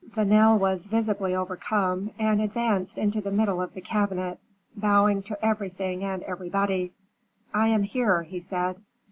Vanel was visibly overcome, and advanced into the middle of the cabinet, bowing to everything and everybody. "I am here," he said.